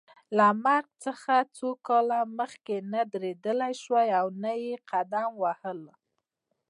له مرګ څخه څو کاله مخکې نه درېدلای شوای او نه یې قدم وهلای.